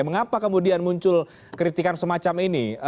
mengapa kemudian muncul kritikan semacam ini